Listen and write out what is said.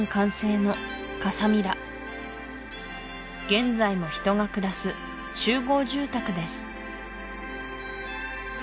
現在も人が暮らす集合住宅です